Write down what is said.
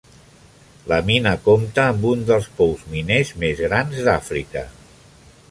La mina compta amb un dels pous miners més grans d'Àfrica.